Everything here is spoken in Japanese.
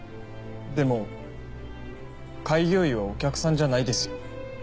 でも開業医はお客さんじゃないですよ。